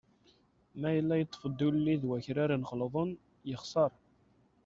Ma yella yeṭṭef-d ulli d awkraren xelḍen, yexser.